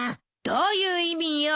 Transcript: どういう意味よ！？